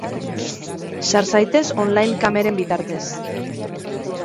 Sar zaitez on line kameren bitartez.